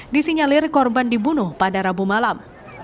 disinyalir korban dibunuh pada rabu malam